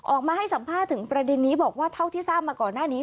ออกมาให้สัมภาษณ์ถึงประเด็นนี้บอกว่าเท่าที่ทราบมาก่อนหน้านี้